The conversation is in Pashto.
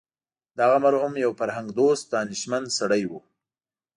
دغه مرحوم یو فرهنګ دوست دانشمند سړی و.